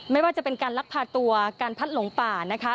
ไม่ว่าจะเป็นการลักพาตัวการพัดหลงป่านะคะ